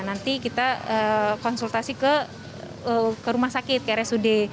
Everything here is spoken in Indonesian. nanti kita konsultasi ke rumah sakit ke rsud